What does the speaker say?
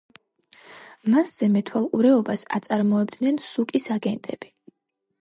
მასზე მეთვალყურეობას აწარმოებდნენ სუკის აგენტები.